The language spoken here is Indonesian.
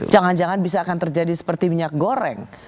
jangan jangan bisa akan terjadi seperti minyak goreng